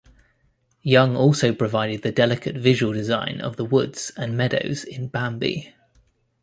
Young also provided the delicate visual design of the woods and meadows in "Bambi".